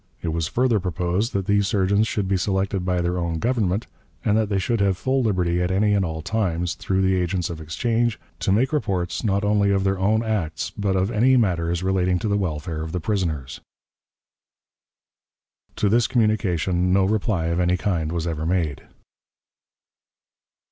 It was further proposed that these surgeons should be selected by their own Government, and that they should have full liberty at any and all times, through the agents of exchange, to make reports, not only of their own acts, but of any matters relating to the welfare of the prisoners. To this communication no reply of any kind was ever made.